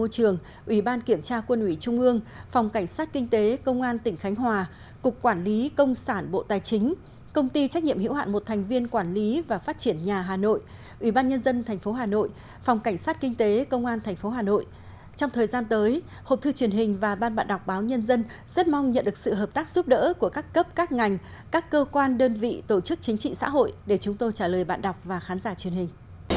trong thời gian tới hộp thư truyền hình và ban bạn đọc báo nhân dân rất mong nhận được sự hợp tác giúp đỡ của các cấp các ngành các cơ quan đơn vị tổ chức chính trị xã hội để chúng tôi trả lời bạn đọc và khán giả truyền hình